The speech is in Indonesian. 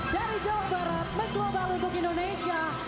dari jawa barat menklobalukuk indonesia